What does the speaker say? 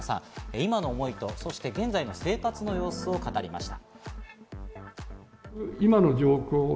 今の思いと現在の生活の様子を語りました。